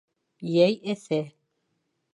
Йәй эҫе